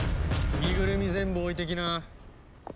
身ぐるみ全部置いてきな。